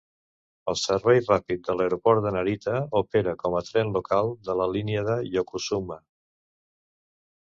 El servei ràpid de l'aeroport de Narita opera com a tren local de la línia de Yokosuna.